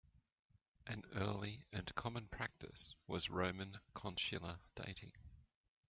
An early and common practice was Roman 'consular' dating.